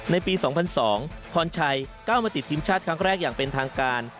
ในปี๒๐๐๒พรชัยก้าวมาติดทีมชาติครั้งแรกอย่างเป็นทางการ